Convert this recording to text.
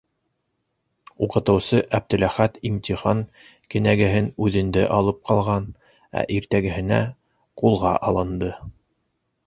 Уҡытыусы Әптеләхәт имтихан кенәгәһен үҙендә алып ҡалған, ә иртәгәһенә... ҡулға алынды...